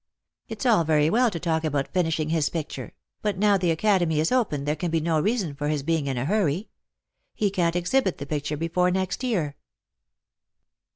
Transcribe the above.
It's all very well to talk about finishing his picture ; but now the Academy is open there can be no reason for his being in a hurry. He can't exhibit the picture before next year."